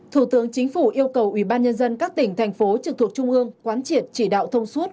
thủ tướng chính phủ yêu cầu ubnd các tỉnh thành phố trực thuộc trung ương quán triệt chỉ đạo thông suốt